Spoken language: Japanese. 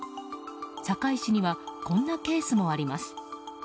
堺市にはこんなケースもあります。